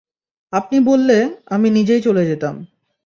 আপনি বললে, আমি নিজেই চলে যেতাম।